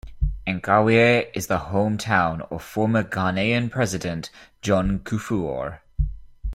Nkawie is the home town of former Ghanaian president John Kufuor.